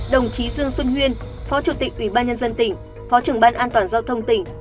đồng chí dương xuân huyên phó chủ tịch ủy ban nhân dân tỉnh phó trưởng ban an toàn giao thông tỉnh